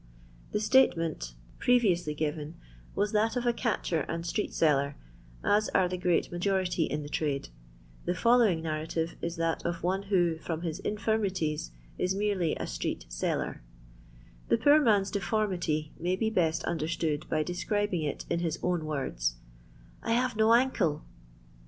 The statement {previously LONDON LABOUR AND THE LONDON POOR, 67 giren was that of a catcher and itreet ieller, as are the great majority in the trade ; the following narratiTo it that of one who, from hia infirmities, is merely a ntxtei tdUr. The poor man's deformity may be best under ■tood by describing it in his own words :" I hare no ancle."